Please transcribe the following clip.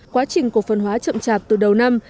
quá trình cổ phần hóa chậm chạp từ đầu năm